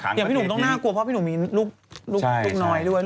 เดี๋ยวพี่หนูต้องน่ากลัวเพราะพี่หนูมีลูกน้อยด้วย